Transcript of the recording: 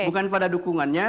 bukan pada dukungannya